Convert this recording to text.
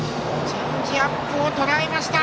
チェンジアップをとらえました！